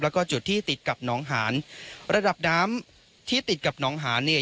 แล้วก็จุดที่ติดกับหนองหานระดับน้ำที่ติดกับหนองหานเนี่ย